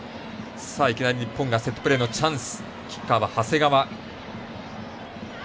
いきなり日本がセットプレーのチャンス。